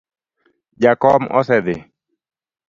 Jakom osedhi